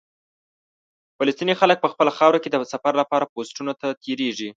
فلسطیني خلک په خپله خاوره کې سفر لپاره پوسټونو ته تېرېږي.